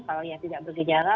kalau dia tidak bergejala